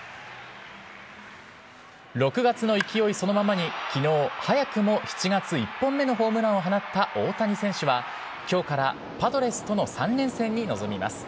６月の勢いそのままに、きのう、早くも７月１本目のホームランを放った大谷選手は、きょうからパドレスとの３連戦に臨みます。